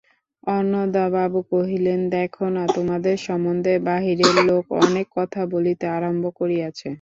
অন্নদাবাবু কহিলেন, দেখো-না, তোমাদের সম্বন্ধে বাহিরের লোক অনেক কথা বলিতে আরম্ভ করিয়াছে।